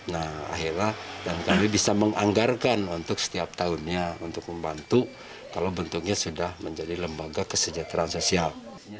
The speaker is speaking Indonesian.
nah akhirnya dan kami bisa menganggarkan untuk setiap tahunnya untuk membantu kalau bentuknya sudah menjadi lembaga kesejahteraan sosial